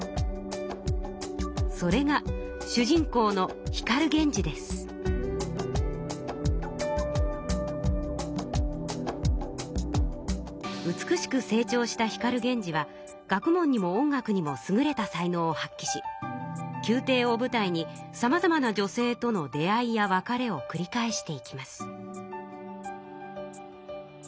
それが主人公の美しく成長した光源氏は学問にも音楽にもすぐれた才能を発きしきゅうていをぶたいにさまざまな女性との出会いや別れをくり返していきます。